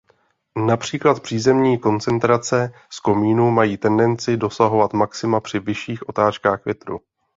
Například přízemní koncentrace z komínů mají tendenci dosahovat maxima při vyšších otáčkách větru.